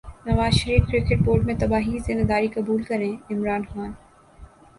نواز Sharif cricket board میں تباہی کی ذمہ داری قبول کریں عمران خان